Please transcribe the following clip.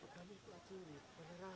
jangan kisah kisah jangan putar